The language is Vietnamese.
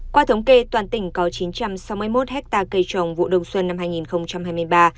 qua thống kê toàn tỉnh có chín trăm sáu mươi một hectare cây trồng vụ đông xuân năm hai nghìn hai mươi ba